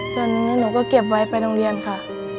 ส่วนนี้หนูก็เก็บไว้ไปโรงเรียนค่ะ